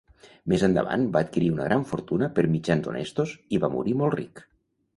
Més endavant va adquirir una gran fortuna per mitjans honestos i va morir molt ric.